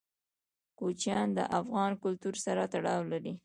کوچیان د افغان کلتور سره تړاو لري.